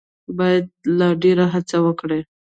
باید لا ډېره هڅه وکړي.